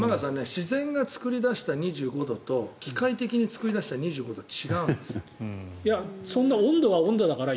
自然が作り出した２５度と機械的に作り出した２５度は温度は温度だから。